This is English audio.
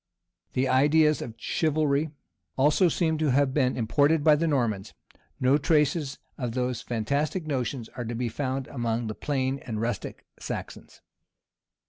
[] The ideas of chivalry also seem to have been imported by the Normans: no traces of those fantastic notions are to be found among the plain and rustic Saxons.